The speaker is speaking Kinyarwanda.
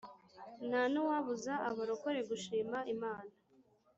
nta nuwabuza abarokore gushima imana